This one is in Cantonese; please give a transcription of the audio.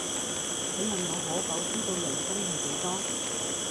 請問我可否知道人工係幾多？